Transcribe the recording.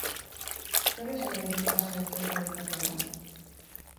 Zer esan nahi du gasa ezohikoa izatea?